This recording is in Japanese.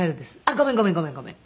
「ごめんごめんごめんごめん。